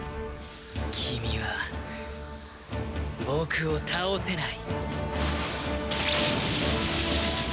君は僕を倒せない。